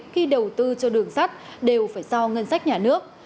khi đầu tư cho đường sắt đều phải do ngân sách nhà nước